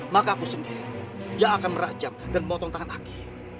maka aku sendiri yang akan merajam dan memotong tangan aku